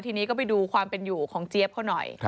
ทีนี้ก็ไปดูความเป็นอยู่ของเจี๊ยบเขาหน่อย